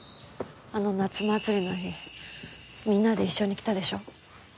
あの夏祭りの日みんなで一緒に来たでしょ。